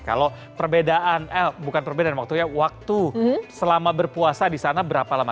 kalau perbedaan eh bukan perbedaan waktunya waktu selama berpuasa di sana berapa lama